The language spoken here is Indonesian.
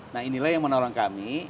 nah inilah yang menolong kami